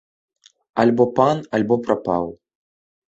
Альбо пан, альбо прапаў.